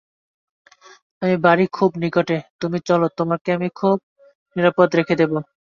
আমার বাড়ি খুব নিকটে, তুমি চলো, তোমাকে আমি খুব নিরাপদে রেখে দেব।